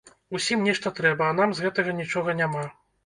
Усім нешта трэба, а нам з гэтага нічога няма.